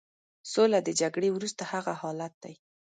سوله د جګړې وروسته هغه حالت دی.